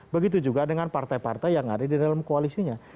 begitu juga dengan partai partai yang ada di dalam koalisinya